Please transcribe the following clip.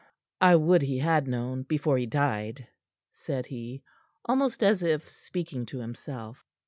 "I would he had known before he died," said he, almost as if speaking to himself.